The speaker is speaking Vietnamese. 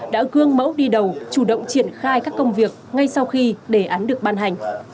đã gương mẫu đi đầu chủ động triển khai các công việc ngay sau khi đề án được ban hành